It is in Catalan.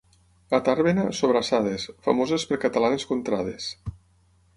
A Tàrbena, sobrassades, famoses per catalanes contrades.